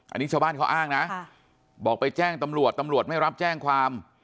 อันนี้ชาวบ้านเขาอ้างนะบอกไปแจ้งตำรวจตำรวจไม่รับแจ้งความ